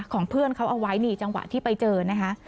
ของเพื่อนเขาเอาไว้นี่จังหวะที่ไปเจอนะคะ